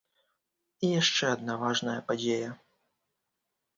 І яшчэ адна важная падзея.